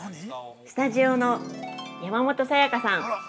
スタジオの山本彩さん